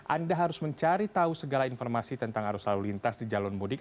anda harus mencari tahu segala informasi tentang arus lalu lintas di jalur mudik